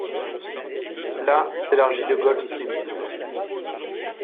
Là s’élargit le Gulf-Stream.